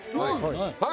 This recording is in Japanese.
はい。